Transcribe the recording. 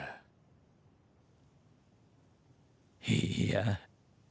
いいや？